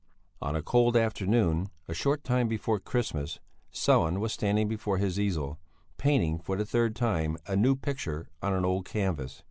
On a cold afternoon, a short time before Christmas, Sellén was standing before his easel, painting for the third time a new picture on an old canvas.